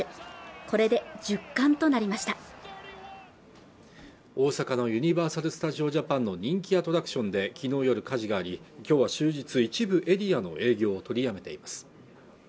これで１０冠となりました大阪のユニバーサルスタジオジャパンの人気アトラクションできのう夜火事があり今日は終日一部エリアの営業を取りやめています